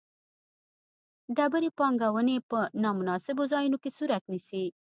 ډېرې پانګونې په نا مناسبو ځایونو کې صورت نیسي.